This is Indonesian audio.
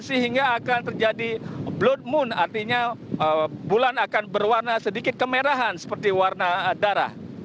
sehingga akan terjadi blood moon artinya bulan akan berwarna sedikit kemerahan seperti warna darah